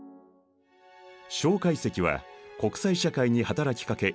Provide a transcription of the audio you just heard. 介石は国際社会に働きかけ